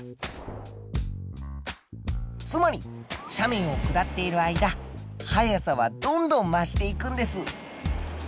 つまり斜面を下っている間速さはどんどん増していくんです。